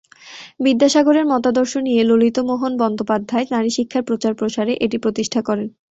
বিদ্যাসাগরের মতাদর্শ নিয়ে ললিত মোহন বন্দ্যোপাধ্যায় নারী শিক্ষার প্রচার প্রসারে এটি প্রতিষ্ঠা করেন।